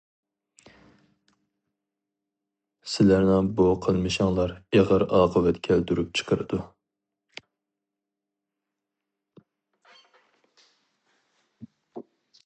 سىلەرنىڭ بۇ قىلمىشىڭلار ئېغىر ئاقىۋەت كەلتۈرۈپ چىقىرىدۇ.